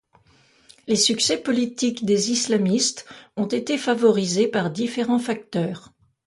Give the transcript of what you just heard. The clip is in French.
Les succès politiques des islamistes ont été favorisés par différents facteurs.